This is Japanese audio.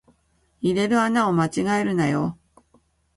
入れる穴を間違えるなよ